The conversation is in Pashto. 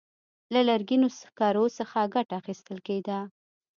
له لرګینو سکرو څخه ګټه اخیستل کېده.